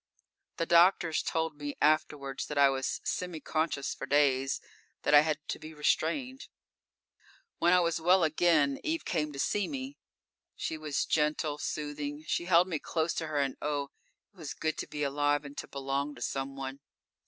_ The doctors told me afterwards that I was semi conscious for days; that I had to be restrained. _When I was well again, Eve came to see me. She was gentle soothing. She held me close to her and oh! it was good to be alive and to belong to someone.